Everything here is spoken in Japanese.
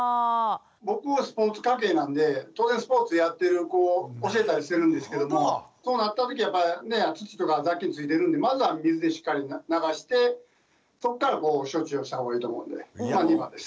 僕はスポーツ関係なんで当然スポーツやってる子教えたりしてるんですけれどもそうなった時はやっぱり土とか雑菌付いてるんでまずは水でしっかり流してそっからこう処置をしたほうがいいと思うんで２番です。